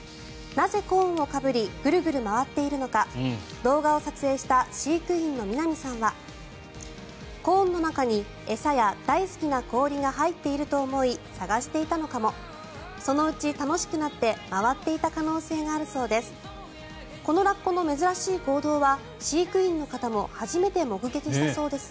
なぜコーンをかぶりグルグル回っているのか動画を撮影した飼育員の南さんはコーンの中に餌や大好きな氷が入っていると思い探していたのかもそのうち楽しくなって回っていた可能性があるそうです。